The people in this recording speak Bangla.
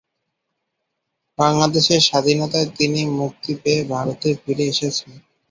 বাংলাদেশের স্বাধীনতায় তিনি মুক্তি পেয়ে ভারতে ফিরে আসেন।